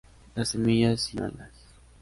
Las semillas sin alas.